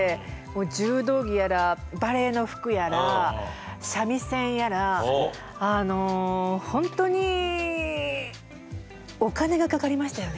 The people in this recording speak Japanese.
柔道着やらバレエの服やら三味線やらほんとにお金がかかりましたよね。